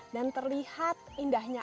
dan terlihat indahnya